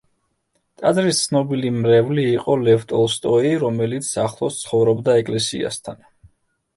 ტაძრის ცნობილი მრევლი იყო ლევ ტოლსტოი, რომელიც ახლოს ცხოვრობდა ეკლესიასთან.